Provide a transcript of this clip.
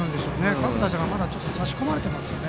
各打者が差し込まれてますよね。